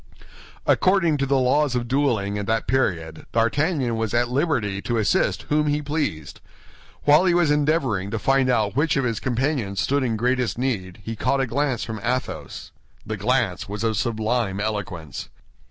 According to the laws of dueling at that period, D'Artagnan was at liberty to assist whom he pleased. While he was endeavoring to find out which of his companions stood in greatest need, he caught a glance from Athos. The glance was of sublime eloquence.